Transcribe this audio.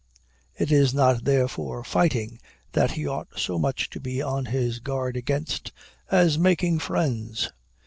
It is not, therefore, fighting that he ought so much to be on his guard against, as making friends.